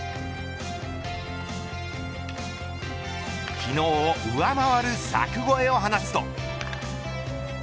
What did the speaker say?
昨日を上回る柵越えを放つと。